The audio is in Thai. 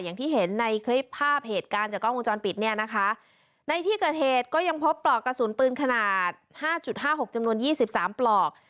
อย่างที่เห็นในคลิปภาพเหตุการณ์จากกล้องวงจรปิดเนี่ยนะคะในที่เกิดเหตุก็ยังพบปลอกกระสุนปืนขนาดห้าจุดห้าหกจำนวนยี่สิบสามปลอก